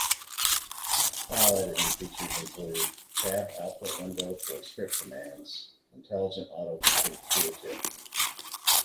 File editing features include: Tabbed Output Window for script commands, intelligent auto complete tooltip.